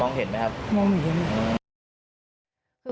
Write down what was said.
มองเห็นไหมครับ